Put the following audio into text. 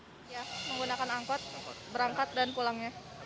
menggunakan angkot berangkat dan pulangnya